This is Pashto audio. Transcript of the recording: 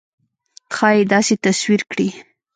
ښایي داسې تصویر کړي.